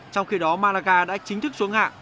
trong khi đó maragal đã chính thức xuống hạng